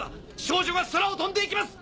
少女が空を飛んで行きます！